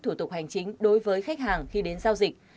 thủ tục hành chính đối với khách hàng khi đến giao dịch